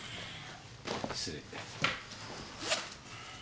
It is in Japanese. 失礼。